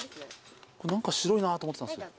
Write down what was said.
何か白いなと思ってたんですよ。